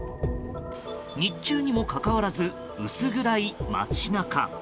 日中にもかかわらず薄暗い街中。